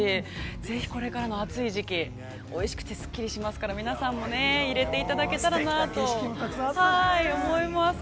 ぜひこれからの暑い時期、おいしくてすっきりしますから、皆さんも入れていただけたらなと思います。